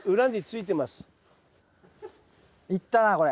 いったなこれ。